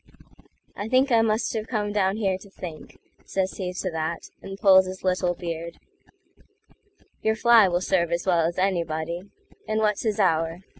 "I think I must have come down here to think,"Says he to that, and pulls his little beard;"Your fly will serve as well as anybody, And what's his hour?